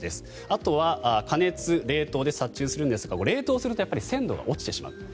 あとは加熱、冷凍で殺虫するんですが冷凍すると鮮度が落ちてしまうと。